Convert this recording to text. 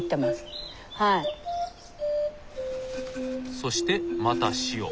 そしてまた塩。